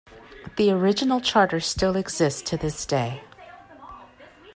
The original charter still exists to this day.